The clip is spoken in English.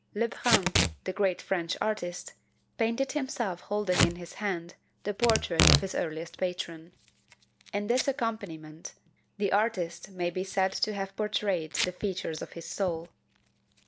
Le Brun, the great French artist, painted himself holding in his hand the portrait of his earliest patron. In this accompaniment the Artist may be said to have portrayed the features of his soul.